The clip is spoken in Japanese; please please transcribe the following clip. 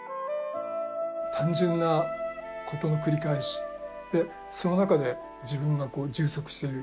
単純なことの繰り返しその中で自分が充足してる。